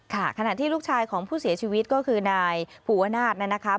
ขณะที่ลูกชายของผู้เสียชีวิตก็คือนายภูวนาศนะครับ